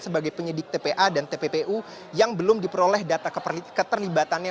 sebagai penyidik tpa dan tppu yang belum diperoleh data keterlibatannya